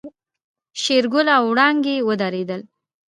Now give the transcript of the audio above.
شېرګل او وړانګې ودرېدل.